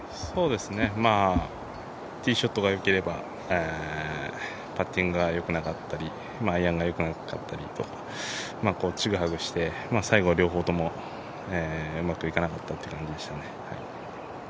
まぁティーショットがよければパッティングがよくなかったりアイアンがよくなかったりとちぐはぐして、最後は両方ともうまくいかなかったって感じでしたね。